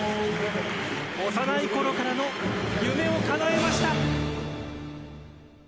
幼いころからの夢をかなえました！